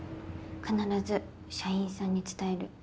必ず社員さんに伝える。